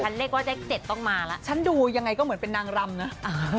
เรียกว่าเลข๗ต้องมาแล้วฉันดูยังไงก็เหมือนเป็นนางรำนะ